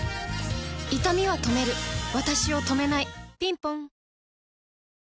いたみは止めるわたしを止めないぴんぽん